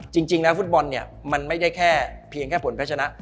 จริงแล้วฟุตบอลมันไม่ได้เพียงแค่ผลคาชนะ